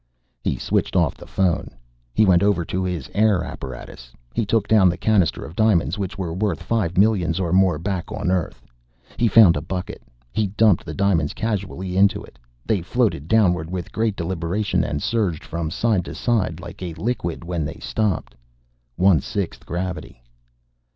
He switched off the phone. He went over to his air apparatus. He took down the cannister of diamonds which were worth five millions or more back on Earth. He found a bucket. He dumped the diamonds casually into it. They floated downward with great deliberation and surged from side to side like a liquid when they stopped. One sixth gravity.